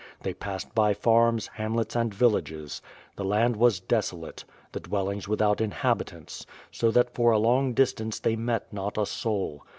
They passed by farms, hamlets and villages. The land was desolate; the dwellings without inhabitants, so that for a long distance they met not a soul.